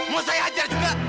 mau saya hajar juga